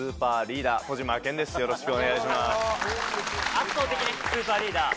圧倒的ねスーパーリーダー